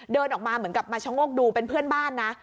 เดินออกมาเหมือนกับมาชะโงกดูเป็นเพื่อนบ้านนะ